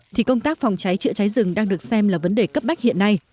thì công tác phòng cháy chữa cháy rừng đang được xem là vấn đề cấp bách hiện nay